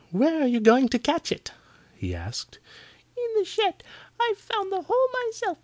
"Where are you going to catch it?" he asked. "In the shed. I found the hole myself.